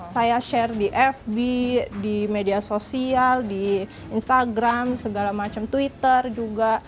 saya share di fb di media sosial di instagram segala macam twitter juga